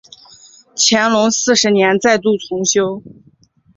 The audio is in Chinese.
乾隆四十年再度重修。